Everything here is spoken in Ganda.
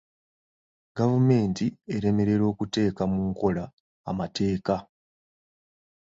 Gavumenti eremererwa okuteeka mu nkola amateeka.